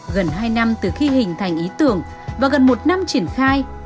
gần hai năm từ khi hình thành ý tưởng và gần một năm triển khai